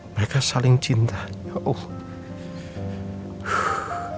mereka saling cinta ya allah